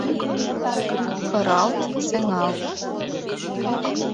Кыралт, сеҥалт